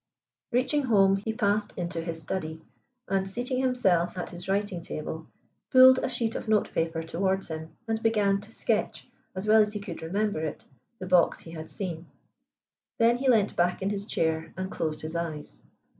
Reaching home he passed into his study, and, seating himself at his writing table, pulled a sheet of note paper towards him and began to sketch, as well as he could remember it, the box he had seen. Then he leant back in his chair and closed his eyes.